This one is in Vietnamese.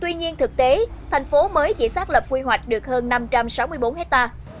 tuy nhiên thực tế thành phố mới chỉ xác lập quy hoạch được hơn năm trăm sáu mươi bốn hectare